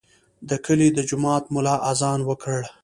د کلي د جومات ملا اذان وکړ.